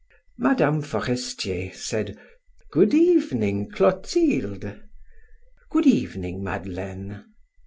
Mme. Forestier said: "Good evening, Clotilde." "Good evening, Madeleine."